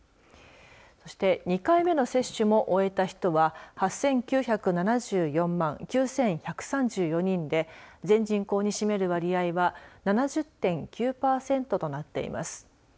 そして２回目の接種も終えた人は８９７４万９１３４人で全人口に占める割合は７０．９パーセントとなっています。